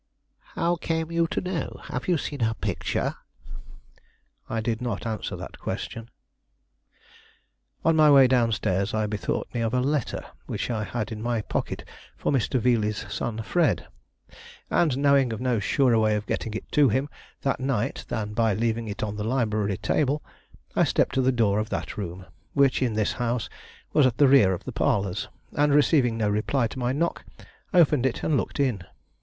"How came you to know? Have you seen her picture?" I did not answer that question. On my way down stairs, I bethought me of a letter which I had in my pocket for Mr. Veeley's son Fred, and, knowing of no surer way of getting it to him that night than by leaving it on the library table, I stepped to the door of that room, which in this house was at the rear of the parlors, and receiving no reply to my knock, opened it and looked in.